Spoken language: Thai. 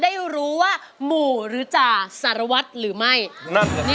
ด้านล่างเขาก็มีความรักให้กันนั่งหน้าตาชื่นบานมากเลยนะคะ